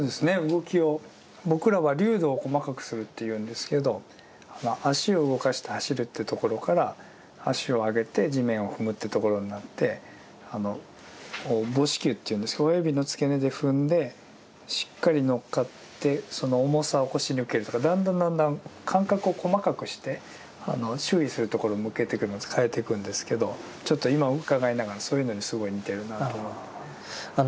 動きを僕らは「粒度を細かくする」と言うんですけど足を動かして走るというところから足を上げて地面を踏むというところになって母指球というんですけど親指の付け根で踏んでしっかり乗っかってその重さを腰に受けるとかだんだんだんだん感覚を細かくして注意するところを向けていくのを変えていくんですけどちょっと今伺いながらそういうのにすごい似てるなと思って。